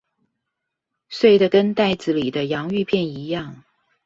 碎得跟袋子裡的洋芋片一樣